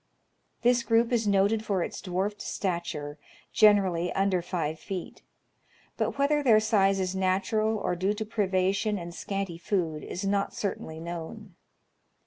This group is noted for its dwarfed stature, generally under five feet ; but whether their size is natural, or due to privation and scanty food, is not certainly known.